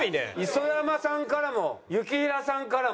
磯山さんからも雪平さんからも。